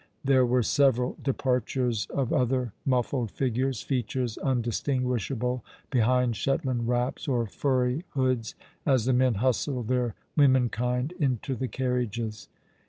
There were several departures of other muflaed figures, features undistinguishable behind Shetland wraps, or furry hoods, as the men hustled their w^oraenkind into the carriages.